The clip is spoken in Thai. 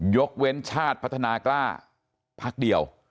ยกเว้นชาติพัฒนากล้าพักเดียว